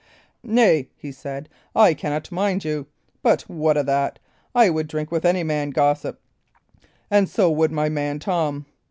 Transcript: "Nay," he said, "I cannot mind you. But what o' that? I would drink with any man, gossip, and so would my man Tom.